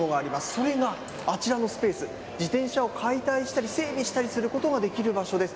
それが、あちらのスペース、自転車を解体したり、整備したりすることができる場所です。